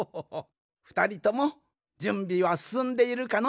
ふたりともじゅんびはすすんでいるかの？